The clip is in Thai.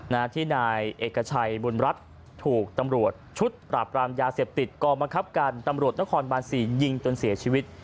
นายที่นายเอกชัยบุญรัฐถูกตำรวจชุดปราบรามยาเสพติดกองบังคับการตำรวจนครบานสี่ยิงจนเสียชีวิต